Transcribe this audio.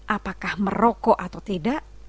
apakah merokok atau tidak